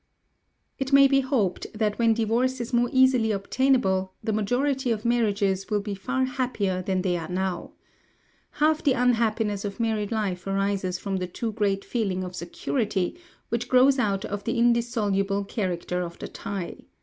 It may be hoped that when divorce is more easily obtainable, the majority of marriages will be far happier than they are now. Half the unhappiness of married life arises from the too great feeling of security which grows out of the indissoluble character of the tie.